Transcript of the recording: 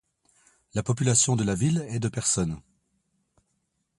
La population de la ville est de personnes.